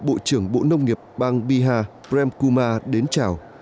bộ trưởng bộ nông nghiệp bang bihar prem kumar đến chào